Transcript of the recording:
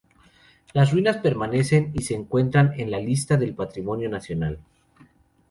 Las ruinas permanecen y se encuentran en la Lista del Patrimonio Nacional.